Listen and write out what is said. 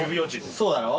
そうだろ。